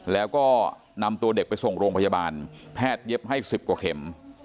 แล้วก็นำตัวเด็กไปส่งโรงพยาบาลแพทย์เย็บให้๑๐กว่าเข็ม